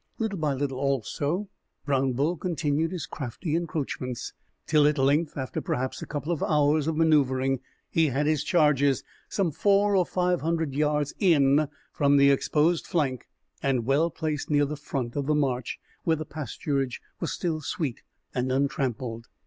Little by little, also, Brown Bull continued his crafty encroachments, till at length, after perhaps a couple of hours of maneuvering, he had his charges some four or five hundred yards in from the exposed flank and well placed near the front of the march, where the pasturage was still sweet and untrampled.